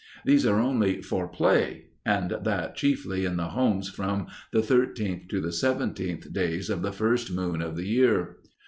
These are only "for play," and that chiefly in the homes from the thirteenth to the seventeenth days of the first moon of the year.